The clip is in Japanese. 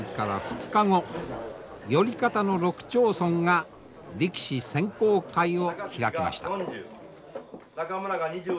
寄方の６町村が力士選考会を開きました。